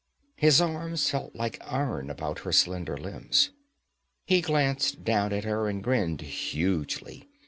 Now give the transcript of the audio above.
His arms felt like iron about her slender limbs. He glanced down at her and grinned hugely.